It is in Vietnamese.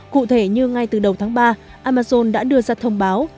cụ thể như ngay từ đầu tháng ba amazon đã đưa ra thông báo